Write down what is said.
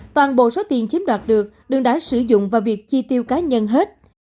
toàn bộ số tiền chiếm đoạt được đường đã sử dụng vào việc chi tiêu cá nhân hết